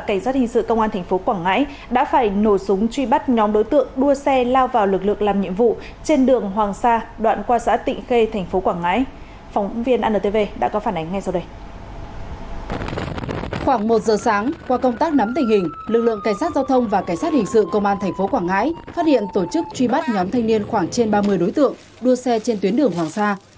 khoảng một giờ sáng qua công tác nắm tình hình lực lượng cảnh sát giao thông và cảnh sát hình sự công an thành phố quảng ngãi phát hiện tổ chức truy bắt nhóm thanh niên khoảng trên ba mươi đối tượng đua xe trên tuyến đường hoàng sa